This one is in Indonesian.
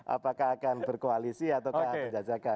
apakah akan berkoalisi atau kejajakan